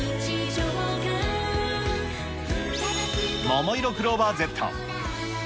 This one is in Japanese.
ももいろクローバーＺ。